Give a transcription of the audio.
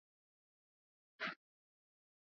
lakini mpaka mpaka wa